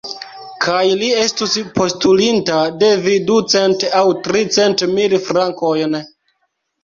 Kaj li estus postulinta de vi ducent aŭ tricent mil frankojn!